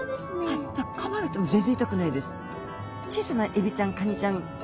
はいだからかまれても全然痛くないです。